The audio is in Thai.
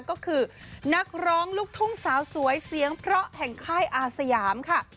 ก็คือนักร้องลูกทุ่งสาวสวยเสียงเพราะแห่งค่ายอาสยามค่ะ